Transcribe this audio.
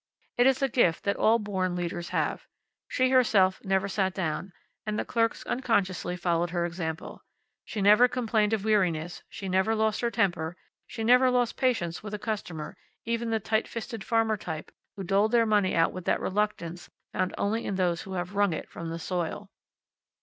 It is a gift that all born leaders have. She herself never sat down, and the clerks unconsciously followed her example. She never complained of weariness, she never lost her temper, she never lost patience with a customer, even the tight fisted farmer type who doled their money out with that reluctance found only in those who have wrung it from the soil.